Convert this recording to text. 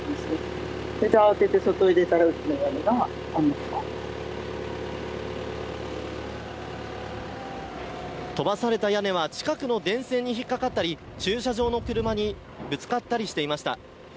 それで慌てて外に出たら、飛ばされた屋根は、近くの電線に引っ掛かったり、駐車場の車にぶつかったりしていました。